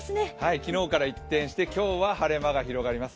昨日から一転して、今日は晴れ間が広がります。